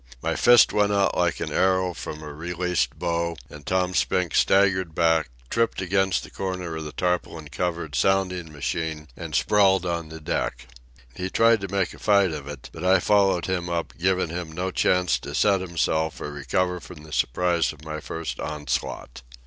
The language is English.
My fist went out like an arrow from a released bow, and Tom Spink staggered back, tripped against the corner of the tarpaulin covered sounding machine, and sprawled on the deck. He tried to make a fight of it, but I followed him up, giving him no chance to set himself or recover from the surprise of my first onslaught.